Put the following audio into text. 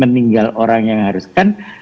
meninggal orang yang harus kan